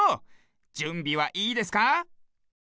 じゅんびはいいですか？